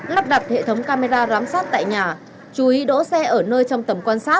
lắp đặt hệ thống camera giám sát tại nhà chú ý đỗ xe ở nơi trong tầm quan sát